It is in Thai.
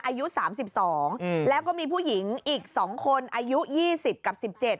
อายุ๓๒แล้วก็มีผู้หญิงอีก๒คนอายุ๒๐กับ๑๗